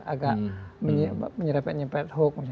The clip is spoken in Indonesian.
agak menyerapkan nyepet hukum